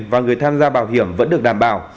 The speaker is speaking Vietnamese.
và người tham gia bảo hiểm vẫn được đảm bảo